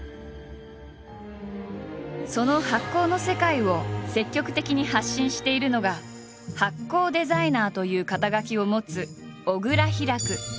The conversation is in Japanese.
その発酵の世界を積極的に発信しているのが「発酵デザイナー」という肩書を持つ小倉ヒラク。